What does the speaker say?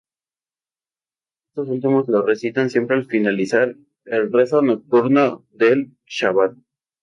Estos últimos lo recitan siempre al finalizar el rezo nocturno del Shabat.